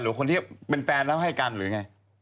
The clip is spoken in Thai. หรือคนที่เป็นแฟนแล้วให้กันหรือไง